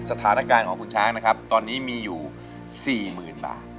สถานการณ์ของคุณช้างนะครับตอนนี้มีอยู่๔๐๐๐บาท